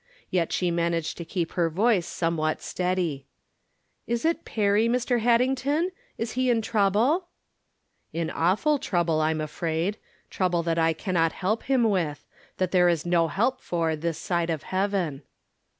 Yet she managed to keep her voice somewhat steady. 254 From Different Standpoints. " Is it Perry, Mr. Haddington ? Is he in trou ble?" " In awful trouble, I'm afraid ; trouble that I can not help him with — that there is no help for this side of heaven."